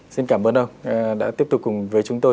xin cảm ơn ông đã tiếp tục cùng với chúng tôi